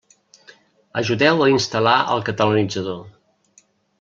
Ajudeu a instal·lar el Catalanitzador.